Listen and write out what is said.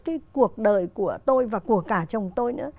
cái cuộc đời của tôi và của cả chồng tôi nữa